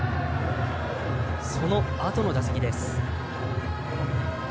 そのあとの打席です。